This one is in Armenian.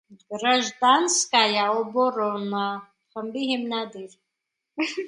«Գրաժդանսկայա օբորոնա» խմբի հիմնադիր։